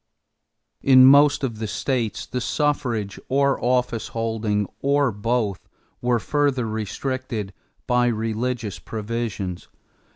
In most of the states the suffrage or office holding or both were further restricted by religious provisions.